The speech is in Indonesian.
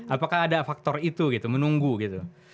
apakah ada faktor itu gitu menunggu gitu